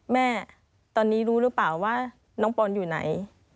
แม่ตอนนี้รู้หรือเปล่าว่าน้องปอนอยู่ไหน